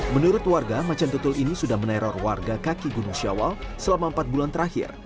menurut warga macan tutul ini sudah meneror warga kaki gunung syawal selama empat bulan terakhir